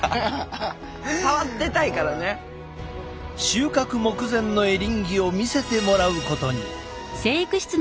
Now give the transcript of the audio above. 収穫目前のエリンギを見せてもらうことに。